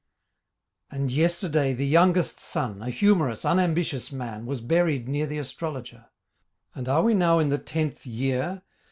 And yesterday the youngest son, A humorous, unambitious man, Was buried near the astrologer; And are we now in the tenth year?